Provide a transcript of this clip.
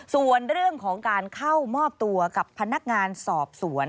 ส่วนเรื่องของการเข้ามอบตัวกับพนักงานสอบสวน